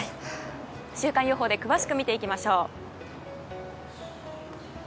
週間予報で詳しく見ていきましょう。